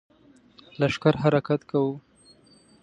لښکر حرکت کوو.